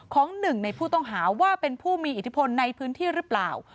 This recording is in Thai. ของหนึ่งในผู้ต้องหาว่าเป็นผู้มีอิทธิพลในพื้นที่หรือเปล่า